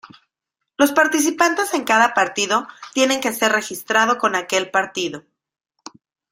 Los participantes en cada partido tiene que ser registrado con aquel partido.